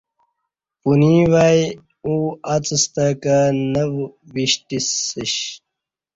پنوی وای ا واڅستہ کہ نہ وش تیسش